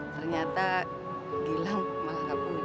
ternyata hilang malah gak punya